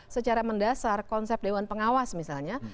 secara mendasar konsep dewan pengawas misalnya